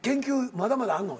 まだまだあんの？